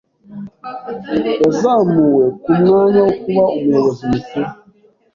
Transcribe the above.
Yazamuwe ku mwanya wo kuba umuyobozi mukuru.